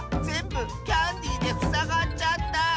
ぜんぶキャンディーでふさがっちゃった！